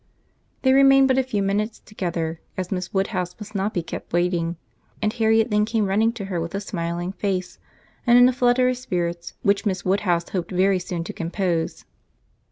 They remained but a few minutes together, as Miss Woodhouse must not be kept waiting; and Harriet then came running to her with a smiling face, and in a flutter of spirits, which Miss Woodhouse hoped very soon to compose.